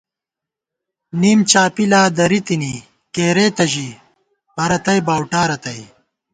نِم چاپی لا درِتِنی کېرېتہ ژی پرَتئ باؤٹا رتئ